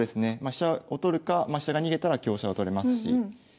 飛車を取るかま飛車が逃げたら香車を取れますし。